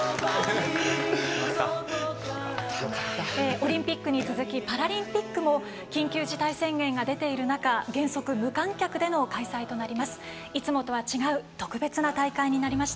オリンピックに続きパラリンピックも緊急事態宣言が出ている中原則無観客での開催となります。